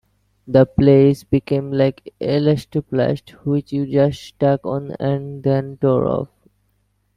The plays became like Elastoplast, which you just stuck on and then tore off.